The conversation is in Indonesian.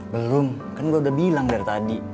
belum kan gue udah bilang dari tadi